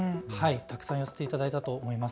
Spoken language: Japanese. たくさん寄せていただいたと思います。